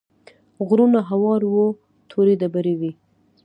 غرونه هوار وو تورې ډبرې وې.